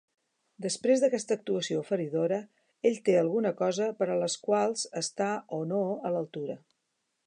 Després d'aquesta actuació feridora, ell té alguna cosa per a les quals estar o no a l'altura.